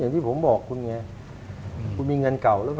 อย่างที่ผมบอกคุณไงคุณมีเงินเกี่ยว